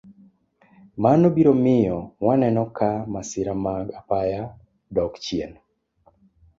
Mano biro miyo waneno ka masira mag apaya dok chien.